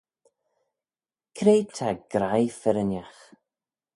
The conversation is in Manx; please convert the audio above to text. Cre ta graih firrinagh?